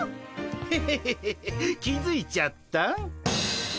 ヘヘヘヘヘッ気付いちゃった？